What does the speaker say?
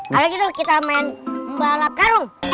karena gitu kita main balap larung